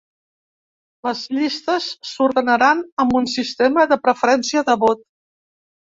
Les llistes s’ordenaran amb un sistema de preferència de vot.